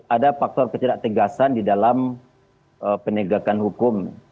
ada faktor ketidak tegasan di dalam penegakan hukum